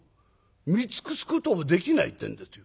見尽くすこともできないってんですよ。